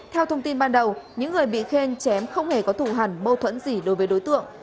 theo thông tin ban đầu những người bị khen chém không hề có thủ hẳn mâu thuẫn gì đối với đối tượng